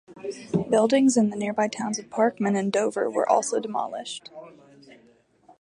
Buildings in the nearby towns of Parkman and Dover were also demolished.